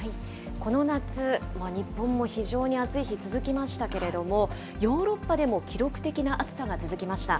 この夏、日本も非常に暑い日、続きましたけれども、ヨーロッパでも記録的な暑さが続きました。